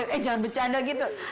eh jangan bercanda gitu